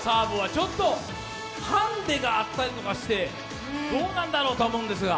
ちょっとハンデがあったりしてどうなんだろうとは思うんですが。